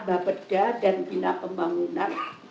babeda dan bina pembangunan